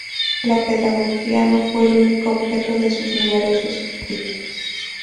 La pedagogía no fue el único objeto de sus numerosos escritos.